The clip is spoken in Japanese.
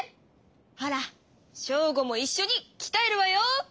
ほらショーゴもいっしょにきたえるわよ！